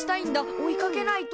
追いかけないと。